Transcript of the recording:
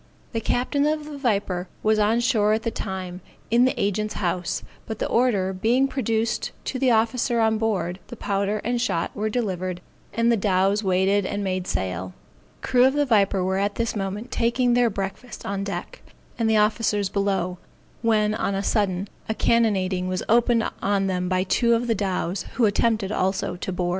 The captain of the Viper was on shore at the time, in the agent's house, but the order being produced to the officer on board, the powder and shot were delivered, and the dows weighed and made sail. The crew of the Viper were at this moment taking their breakfast on deck, and the officers below; when on a sudden, a cannonading was opened on them by two of the dows, who attempted also to board.